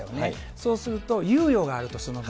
そうすると、猶予があると、その分。